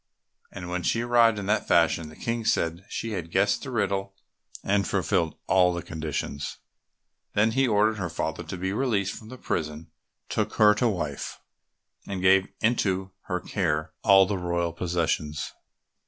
And when she arrived in that fashion, the King said she had guessed the riddle and fulfilled all the conditions. Then he ordered her father to be released from the prison, took her to wife, and gave into her care all the royal possessions.